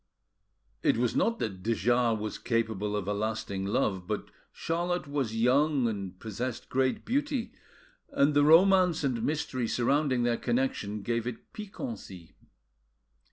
It was not that de Jars was capable of a lasting love, but Charlotte was young and possessed great beauty, and the romance and mystery surrounding their connection gave it piquancy.